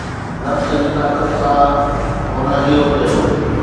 نفس جي طاقت سان، هن اهو ڪيو